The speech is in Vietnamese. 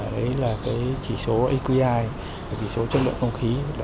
đấy là cái chỉ số aqi chỉ số chất lượng không khí